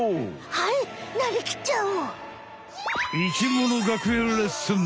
はいなりきっちゃおう！